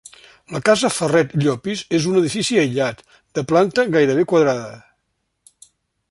La casa Ferret Llopis és un edifici aïllat, de planta gairebé quadrada.